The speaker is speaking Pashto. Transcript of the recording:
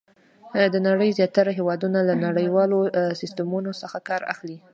د نړۍ زیاتره هېوادونه له نړیوالو سیسټمونو څخه کار اخلي.